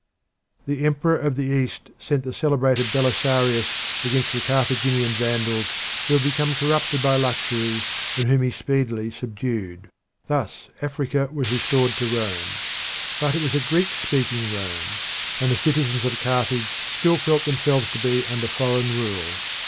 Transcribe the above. The Emperor of the East sent the celebrated Belisarius against the Carthaginian Vandals, who had become corrupted by luxury and whom he speedily subdued. Thus Africa was restored to Rome, but it was a Greek speaking Rome, and the citizens of Carthage still felt themselves to be under foreign rule.